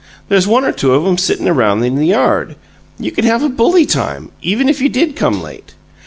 There's one or two of 'em sittin' around in the yard. You can have a bully time, even if you did come late."